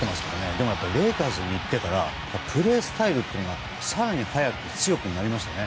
でもやっぱりレイカーズに行ってからプレースタイルというのが更に速く、強くなりましたね。